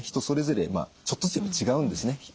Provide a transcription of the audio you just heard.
それぞれちょっとずつやっぱ違うんですね。